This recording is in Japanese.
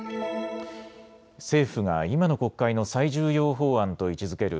政府が今の国会の最重要法案と位置づける